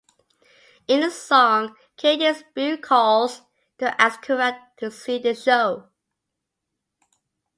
In the song, Katie's beau calls to ask her out to see a show.